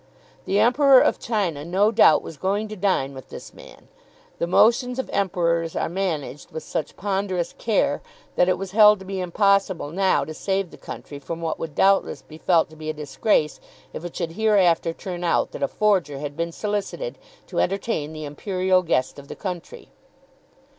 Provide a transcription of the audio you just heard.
The Emperor of China no doubt was going to dine with this man. The motions of Emperors are managed with such ponderous care that it was held to be impossible now to save the country from what would doubtless be felt to be a disgrace if it should hereafter turn out that a forger had been solicited to entertain the imperial guest of the country.